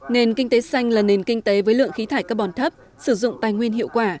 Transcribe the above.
nền kinh tế xanh là nền kinh tế với lượng khí thải carbon thấp sử dụng tài nguyên hiệu quả